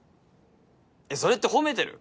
それって褒めてる？